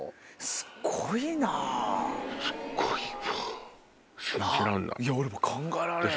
すごいわ。